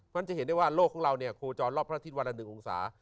มันจะเห็นได้ว่าโลกของเราโคจรรอบพระอาทิตย์วันละ๑องศา